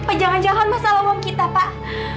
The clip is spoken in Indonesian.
apa jangan jangan masalah uang kita pak